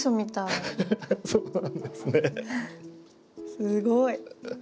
すごい。